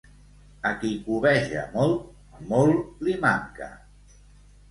A qui cobeja molt, molt li manca.